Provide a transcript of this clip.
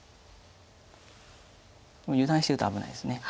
油断してると危ないです。